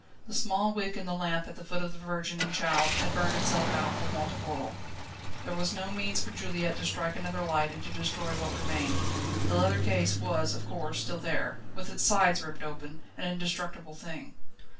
The small wick in the lamp at the foot of the Virgin and Child had burned itself out for want of oil; there was no means for Juliette to strike another light and to destroy what remained. The leather case was, of course, still there, with its sides ripped open, an indestructible thing.